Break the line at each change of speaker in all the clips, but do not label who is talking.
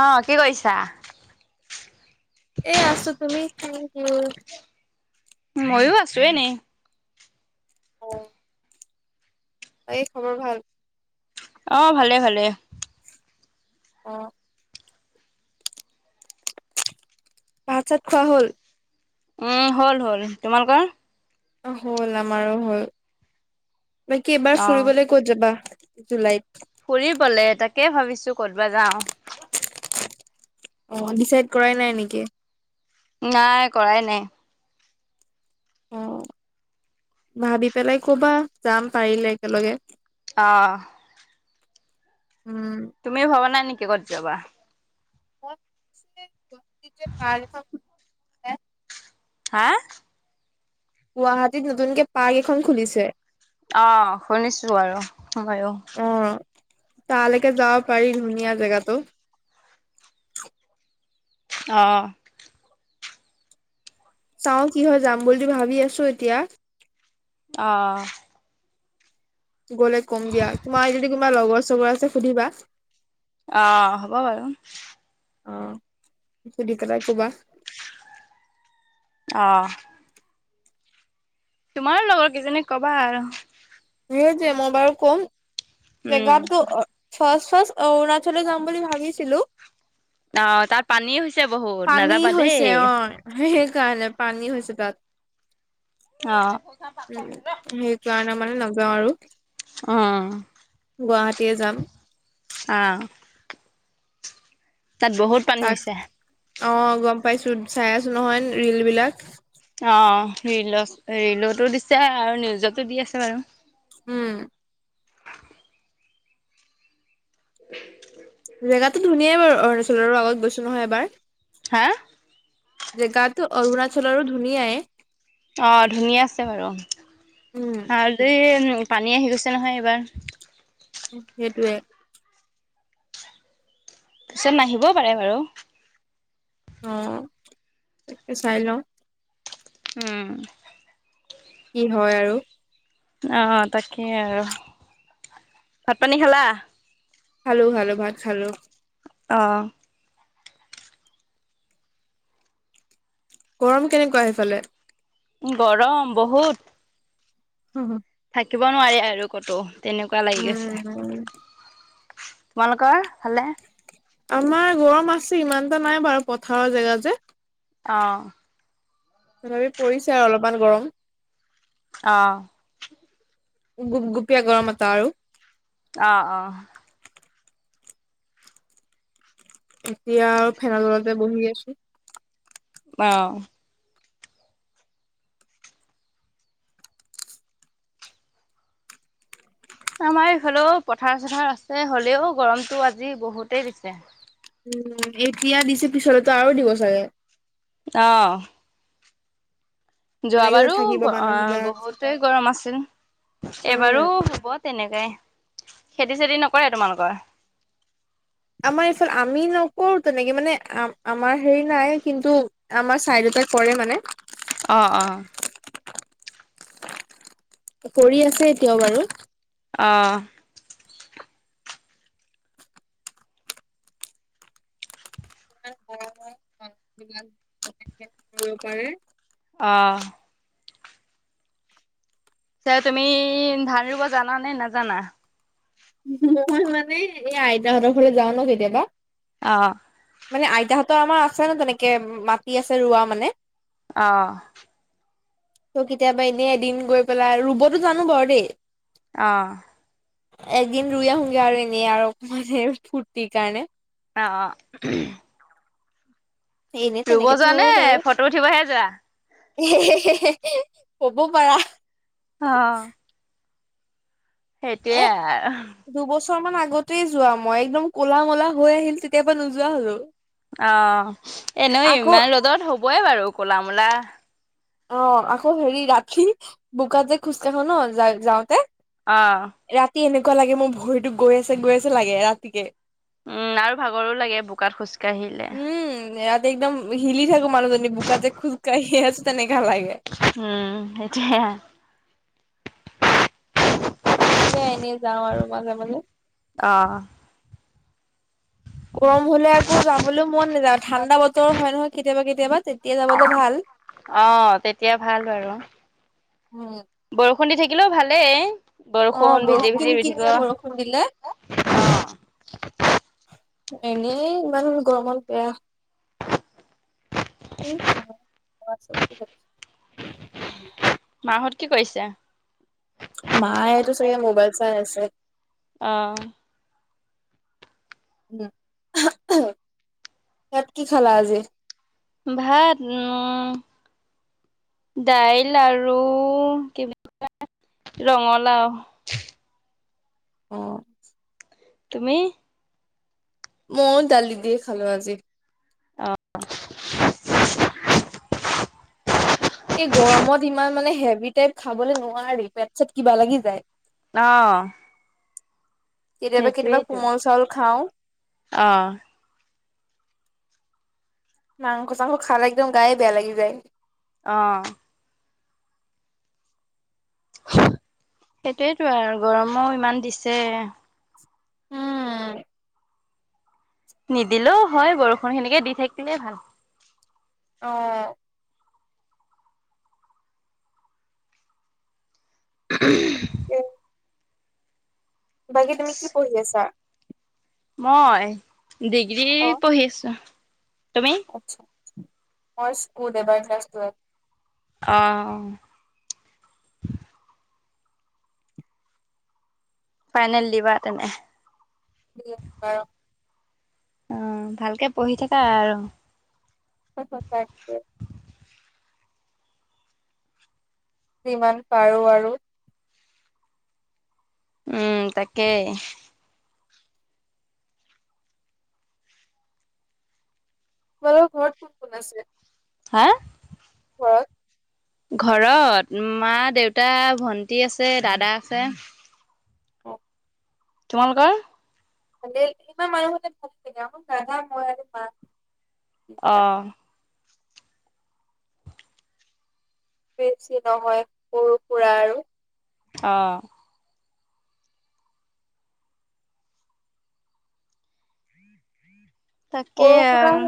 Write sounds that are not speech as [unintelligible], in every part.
আহ কি কৰিছা?
এ আছো তুমি থেংক ইউ
মইয়ো আছো এনে।
অ এই খবৰ ভাল?
অ ভালে ভালে।
অ ভাত চাত খোৱা হল?
উম হ'ল হ'ল তোমালোকৰ
অ হ'ল আমাৰো হল বাকী এবাৰ
অ
ফুৰিবলৈ ক'ত যাবা? জুলাইত
ফুৰিবলে তাকে ভাবিছো ক'ত বা যাও
অ ডিচাইড কৰাই নাই নেকি?
নাই কৰাই নাই।
অ ভাবি পেলাই কবা যাম পাৰিলে একেলগে।
আহ
উম
তুমিও ভবা নাই নেকি ক'ত যাবা।
[unintelligible]
হা
গুৱাহাটীত নতুনকে পাৰ্ক এখন খুলিছে।
আহ শুনিছো বাৰু মইও
অ তালৈকে যাব পাৰি ধুনীয়া জেগাটো।
আহ
চাও কি হয় যাম বুলি ভাবি আছো এতিয়া।
অহ
গ'লে কম দিয়া তোমাৰ যদি কোনবা লগৰ চগৰ আছে সুধিবা।
অহ হ'ব বাৰু
অহ সুধি পেলাই কবা।
অহ তোমাৰো লগৰ কেইজনীক কবা আৰু।
সেই যে মই বাৰু কম
উম
জেগাতো। ফাৰ্ষ্ট ফাৰ্ষ্ট অৰুণাচললৈ যাম বুলি ভাবিছিলোঁ।
অ তাত পানী হৈছে বহুত
পানী
নাযাবা
হৈছে
দেই।
অ সেইকাৰণে পানী হৈছে তাত
অ।
উ সেই কাৰণে মানে যাওঁ আৰু
উম।
গুৱাহাটীয়ে যাম।
অহ। তাত বহুত পানী
তাক
আছে।
অ গম পাইছো চাই আছো নহয় ৰিল বিলাক।
ৰিলত ৰিলতো দিছে আৰু নিউজতো দি আছে বাৰু।
উম।
[unintelligible]
জেগাতটো ধুনাই বাৰু অৰুণাচলৰো আগত গৈছোঁ নহয় এবাৰ।
হা
জেগাতাতো অৰুণাচলৰো ধুনীয়াই
অ ধুনীয়া আছে বাৰু।
উম
পানী আহি গৈছে নহয় এইবাৰ।
সেইটোৱে
পিছত নাহিবও পাৰে বাৰু।
অ তে চাই লওঁ।
উম।
কি হয় আৰু।
আহ তাকে আৰু ভাত পানী খালা।
খালো খালো ভাত খালো।
অহ।
গৰম কেনেকুৱা সেইফালে।
গৰম বহুত।
হু হু।
থাকিব নোৱাৰি আৰু কতো তেনেকুৱা লাগি গৈছে।
উম,
তোমালোকৰ ভালে।
আমাৰ গৰম আছে ইমানটা নাই বাৰু পথাৰৰ জেগা যে।
অহ।
তথাপি পৰিছে আৰু অলপমান গৰম।
অহ।
গো গোপীয়া গৰমতা এটা আৰু।
অহ অহ।
এতিয়া আৰু ফেনৰতলতে বহি আছো।
অহ। আমাৰ এইফালেও পথাৰ চথাৰ আছে হ'লেও গৰমতটো আজি বহুতেই দিছে।
উম এতিয়া দিছে পিছলেতো আৰু দিব চাগে।
অহ।
এনেকে যে
যোৱাবাৰো
থাকিব মানুহবিলাক।
বহুতেই গৰম আছিল
উম,
এইবাৰু। তেনেকাই খেতি চেতি নকৰে তোমালোকৰ।
আমাৰ এইফালে আমি নকৰো তেনেকে মানে আ আমাৰ হেৰি নাই কিন্তু আমাৰ চাইডত। তই কৰে মানে।
অ অ।
কৰি আছে এতিয়াও বাৰু।
অহঁ
কৰিব পাৰে।
অ। তে তুমি ধান ৰুব জানা নে নাজানা।
মই মানে এই আইতাহঁতৰ ফলে যাওঁ ন কেতিয়াবা।
অ'।
মানে আইতাহঁতৰ আমাৰ আছে ন তেনেকে মাটি আছে ৰোৱা মানে।
অহ।
ত' কেতিয়াবা এনেই এদিন গৈ পেলাই ৰুবতো জানো বাৰু দেই।
অহ'।
একদিন ৰুই আহোগৈ আৰু এনেই আৰু অকমান ফূৰ্তিৰ কাৰণে।
আ।
এনে তেনেকেতো
নে
নুৰো বাৰু।
ফটো উঠিবহে যোৱা?
কব পাৰা।
অ। সেইটোৱে আৰ।
গৰম বন্ধ আগতেই যোৱা মই। একদম ক'লা মলা হৈ আহিল তেতিয়া পৰা নোযোৱা হলো।
অ এনেই
আকৌ
ইমান ৰ'দত হবই বাৰু কলা মলা।
অ, আকৌ হেৰি ৰাতি বোকাত যে খোজকাঢ়ো ন যা যাওঁতে।
অঁ।
ৰাতি এনেকুৱা লাগে মোৰ ভৰিতো গৈ আছে, গৈ আছে লাগে ৰাতিকে।
উম আৰু ভাগৰো লাগে বোকাত খোজকাঢ়িলে।
ৰাতি একদম হিলি থাকো মানুহজনী। বোকাত যে খোজকাঢ়িয়ে আছো। তেনেকা লাগে।
উম, সেইটোৱে আ।
উম, সে এনেই যাও আৰু মাজে-মাজে।
অ'।
গৰম হলে আকৌ যাবলৈও মন নাযায়। ঠাণ্ডা বতৰ হয় নহয় কেতিয়াবা কেতিয়াবা তে
অ, তেতিয়া ভাল বাৰু। বৰষুণ দি থাকিলেও ভালেই।
অ
বৰষুণ
কিন
ভিজি-ভিজি
কিনিয়া বৰষুণ দিলে।
[unintelligible]
এনেই ইমান গৰমত বেয়া। অ [unintelligible]
মাহঁত কি কৰিছে?
মা তো চাগৈ মবাইল চাই আছে।
অঁ।
উম, ভাত কি খালা আজি?
ভাত, উম দাইল আৰু কি ৰঙালাও।
অ।
তুমি?
মইও দালি দিয়ে খালো আজি।
অ।
এই গৰমত ইমান মানে হেভি টাইপ খাবলৈ নোৱাৰি, পেট চেট কিবা লাগি যায়।
অঁ।
কেতিয়াবা-কেতিয়াবা কোমল চাউল খাও।
অঁ।
মাংস-চাংস খালে একদম গায়ে বেয়া লাগি যায়।
অঁ। সেইটোৱেটো আৰু গৰমো ইমান দিছে।
উম।
নিদিলেও হয় বৰষুণ। সেনেকে দি থাকিলেই ভাল।
অ।
হম।
এ
[inaudible]
বাকী তুমি কি পঢ়ি আছা?
মই? ডিগ্ৰী
অ',
পঢ়ি আছো। তুমি
আচ্ছা, অ স্কুল এইবাৰ ক্লাছ টুৱেলভ।
অঁ। ফাইনেল দিবা তেনে?
বাৰ
অ, ভালকে পঢ়ি থাকা আৰু।
অ, তাকে। যিমান পাৰো আৰু।
উম, তাকেই।
তোমালোকৰ ঘৰত কোন কোন আছে?
হা।
ঘৰত
ঘৰত মা-দেউতা ভন্টি আছে, দাদা আছে।
অ।
তোমালোকৰ।
ভালেই ইমান মানুহ [unintelligible] দাদা, মই আৰু মা। তিনিটা।
আহ।
বেছি নহয় সৰু সুৰা আৰু।
আহ। তাকেই
সৰু- সুৰা
আৰু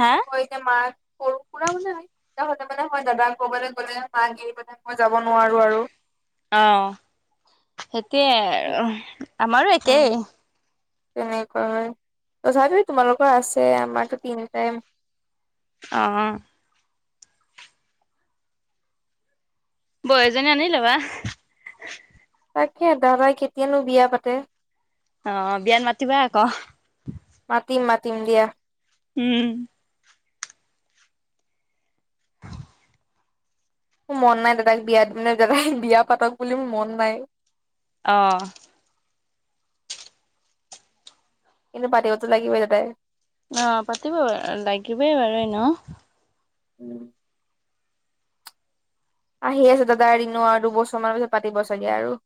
হা?
হয় যে মা সৰু সুৰা নাই। তেতিয়া হলে মানে মই দাদা কৰবালৈ গ'লে মাক এৰি মই যাব নোৱাৰো আৰু।
অ সেইটোয়ে,
উম
আমাৰো একেই।
তেনেকুৱা হয় তথাপি তোমালোকৰ আছে আমাৰো তিন টাইম
অহ। বোৱাৰী এজনী আনি লবা।
তাকে দাদাই কেতিয়ানো বিয়া পাতে।
অ বিয়াত মাতিবা আকৌ।
মাতিম মাতিম দিয়া।
উম। [unintelligible]
মোৰ মন নাই দাদাক বিয়া দাদাই বিয়া পাতক বুলি মোৰ মন নাই।
অহ।
কিন্তু পাতিবতো লাগিবই তাতে।
অহ পাতিব লাগিবই বাৰু ন।
উম। আহি আছে দাদা এ দিনো আৰু দুবছৰমানৰ পিছত পাতিব চাগে আৰু।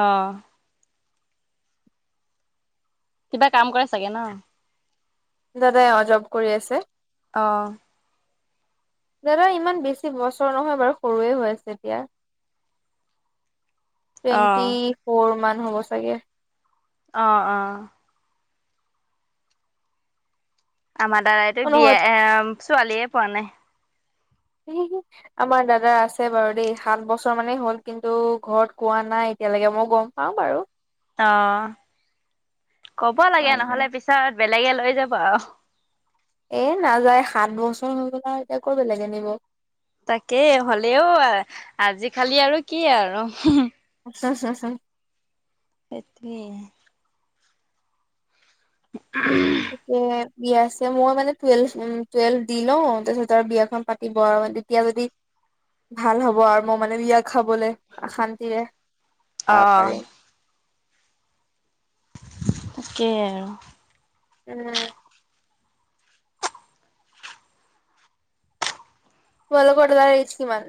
অহ। কিবা কাম কৰা চাগে ন?
দাদাই অ জ্বব কৰি আছে।
অ'।
দাদা ইমান বেছি বছৰ নহয় বাৰু সৰুৱে হৈ আছে এতিয়া।
অ।
টুৱেন্টি ফ'ৰ মান হ'ব চাগে।
অ অ। আমাৰ দাদাইতো
অ নহয়
বিয়া এ ছোৱালীয়ে পোৱা নাই।
আমাৰ দাদা আছে বাৰু দেই সাত বছৰ মানেই হ'ল কিন্তু ঘৰত কোৱা নাই। এতিয়ালৈকে মই গম পাওঁ বাৰু।
অ কব লাগে
কোৱা নাই
নহলে পিছত বেলেগে লৈ যাব আৰু।
এ নাযায়, সাত বছৰ হৈ গল আৰু এতিয়া আকৌ বেলেগে নিব।
তাকে, হ'লেও আজি কালি আৰু কি আৰু
হু হু হু
তাকে। [unintelligible]
তে বিয়া আছে মই মানে টুৱেলভ উ টুৱেলভ দি লওঁ, তাৰপিছত আৰু বিয়াখন পাতিব আৰু। তেতিয়া যদি ভাল হব আৰু মই মানে বিয়া খাবলে শান্তিৰে। তা
অ'
পাৰিম।
তাকে আৰু।
উম। তোমালোকৰ দাদাৰ এইজ কিমান?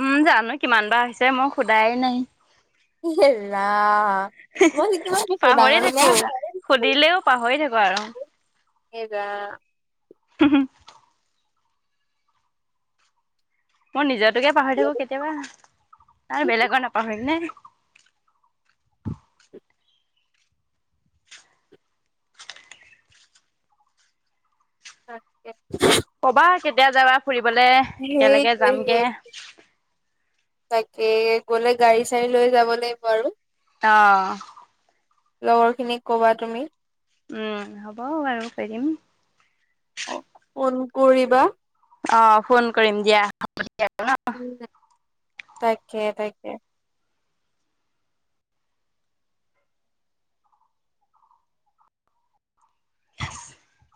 উম জানো কিমান বাৰ হৈছে মই সোধাই নাই।
এ ৰাম। মই কিমান বছৰ ডাঙৰ
পাহৰি থাকো,
তোমাৰ
সুধিলেও পাহৰি থাকো আৰু।
এইব [unintelligible]
উ [unintelligible] মই নিজটোকে পাহৰি থাকো কেতিয়াবা আৰু বেলেগৰ নাপাহৰিমনে।
[inaudible] তে [unintelligible]
কবা কেতিয়া যাবা ফুৰিবলে একেলগে
সেইটোৱে
যামগে।
সেই তাকে গলে গাড়ী চাড়ী লৈ যাব লাগিব আৰু
অ।
লগৰ খিনিক কবা তুমি
উম! হ'ব বাৰু [unintelligible]
ফোন কৰিবা?
অ'! ফোন কৰিম দিয়া। আপুনি দিয়টো ন'?
উম, তাকে - তাকে।
[unintelligible]